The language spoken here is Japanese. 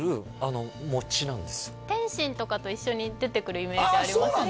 点心とかと一緒に出てくるイメージありますねああ